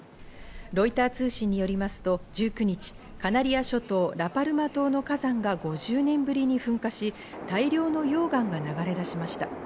ロイター通信によりますと１９日、カナリア諸島、ラパルマ島の火山が５０年ぶりに噴火し、大量の溶岩が流れ出しました。